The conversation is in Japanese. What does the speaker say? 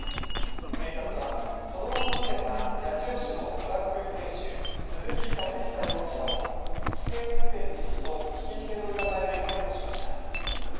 警察はそのまま逃げた八千代市のトラック運転手、鈴木勝久容疑者を危険運転致死とひき逃げの疑いで逮捕しました。